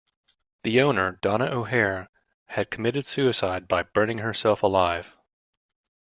The owner Donna O'Hara had committed suicide by burning herself alive.